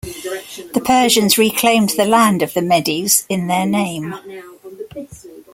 The Persians reclaimed the land of the Medes in their name.